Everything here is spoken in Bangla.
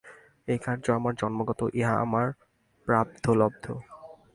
এই কার্য আমার জন্মগত, ইহা আমার প্রারব্ধ-লব্ধ।